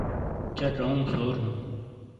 چہ ڇَؤوں سورہُوں۔